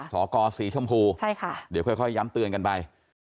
สกสีชมพูเดี๋ยวค่อยย้ำเตือนกันไป